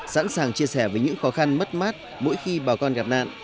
sẵn sàng chia sẻ với những khó khăn mất mát mỗi khi bà con gặp nạn